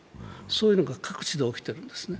そういうのが各地で起きてるんですね。